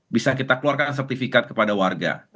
bisa kita keluarkan sertifikat kepada warga